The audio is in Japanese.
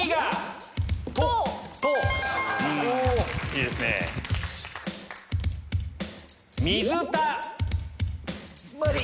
いいですね。まり！